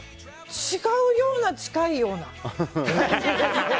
違うような、近いような。